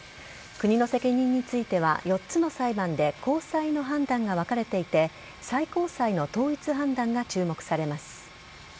国の責任については４つの裁判で高裁の判断が分かれていて最高裁の統一判断が注目されます。